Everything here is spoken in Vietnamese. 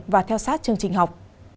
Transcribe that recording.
và theo sát chương trình học